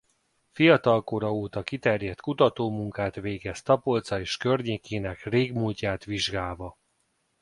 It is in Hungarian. Fiatalkora óta kiterjedt kutatómunkát végez Tapolca és környékének régmúltját vizsgálva.